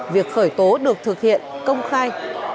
việc khởi tố được thực hiện công khai